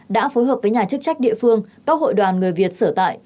đã phối hợp với nhà chức trách địa phương các hội đoàn người việt sở tại